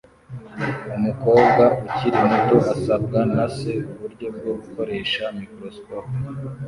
Umukobwa ukiri muto asabwa na se uburyo bwo gukoresha microscope